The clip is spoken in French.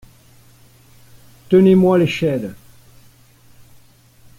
Tenez-moi l’échelle !